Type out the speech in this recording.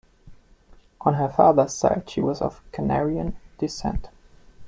On her father's side, she was of Canarian descent.